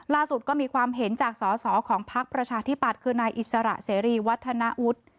ล่าสุดก็มีความเห็นจากสอสอของพักประชาธิปัตย์คือนายอิสระเสรีวัฒนาวุฒิ